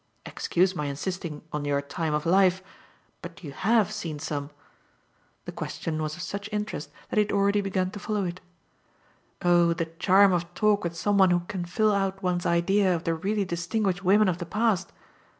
"Excuse my insisting on your time of life but you HAVE seen some?" The question was of such interest that he had already begun to follow it. "Oh the charm of talk with some one who can fill out one's idea of the really distinguished women of the past!